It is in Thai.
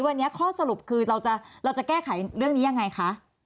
วันนี้ข้อสรุปคือเราจะแก้ไขเรื่องนี้ยังไงคะ